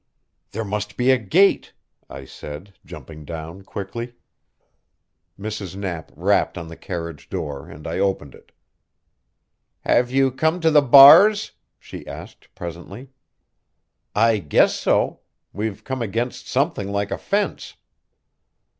"There must be a gate," I said, jumping down quickly. Mrs. Knapp rapped on the carriage door and I opened it. "Have you come to the bars?" she asked presently. "I guess so. We've come against something like a fence."